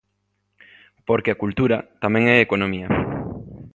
Porque a cultura tamén é economía.